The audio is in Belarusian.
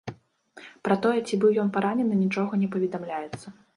Пра тое, ці быў ён паранены, нічога не паведамляецца.